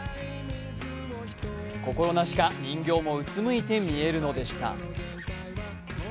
心なしか、人形もうつむいて見えるのでした。